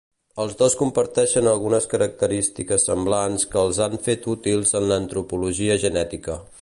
Els dos comparteixen algunes característiques semblants que els han fet útils en antropologia genètica.